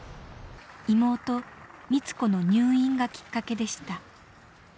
妹光子の入院がきっかけでした。